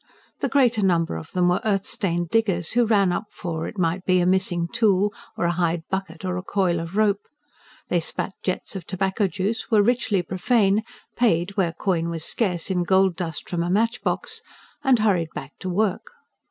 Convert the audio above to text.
The greater number of them were earth stained diggers, who ran up for, it might be, a missing tool, or a hide bucket, or a coil of rope. They spat jets of tobacco juice, were richly profane, paid, where coin was scarce, in gold dust from a match box, and hurried back to work.